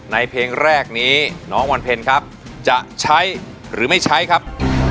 เพลงแรกนี้น้องวันเพ็ญครับจะใช้หรือไม่ใช้ครับ